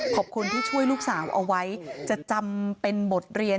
ขอบคุณที่ช่วยลูกสาวเอาไว้จะจำเป็นบทเรียน